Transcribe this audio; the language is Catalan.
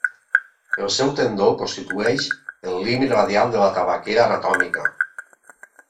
El seu tendó constitueix el límit radial de la tabaquera anatòmica.